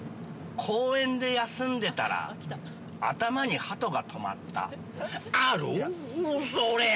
公園で休んでたら頭にハトがとまった。